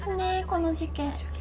この事件。